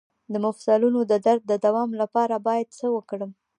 د مفصلونو د درد د دوام لپاره باید څه وکړم؟